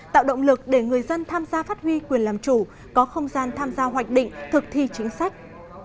tạo động lực để người dân tham gia phát huy quyền làm chủ có không gian tham gia hoạch định thực thi chính sách